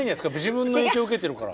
自分の影響を受けてるから。